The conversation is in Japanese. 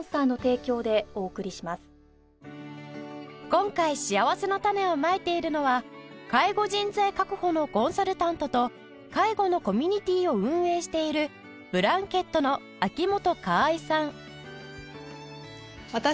今回しあわせのたねをまいているのは介護人材確保のコンサルタントと介護のコミュニティーを運営している Ｂｌａｎｋｅｔ の秋本可愛さん